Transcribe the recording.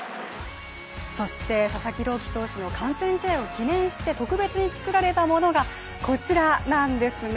そして佐々木朗希投手の完全試合を記念して特別に作られたものがこちらなんですね